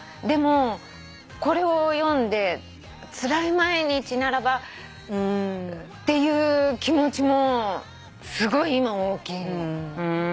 でもこれを読んでつらい毎日ならばっていう気持ちもすごい今大きいの。